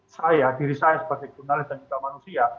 saya diri saya sebagai jurnalis dan juga manusia